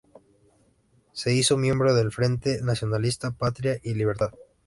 Se hizo miembro del Frente Nacionalista Patria y Libertad.